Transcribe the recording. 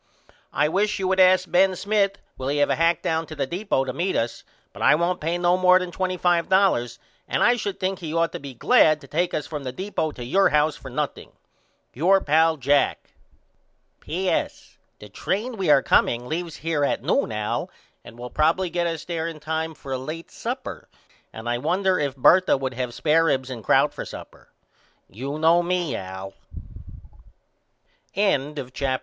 I wish you would ask Ben Smith will he have a hack down to the deepo to meet us but I won't pay no more than $25 and I should think he should ought to be glad to take us from the deepo to your house for nothing. Your pal, JACK. P.S. The train we are comeing on leaves here at noon Al and will probily get us there in time for a late supper and I wonder if Bertha would have spair ribs and crout for supper. You know me Al. CHAPTER VI The Busher Beats It Hence Chicago, Ill.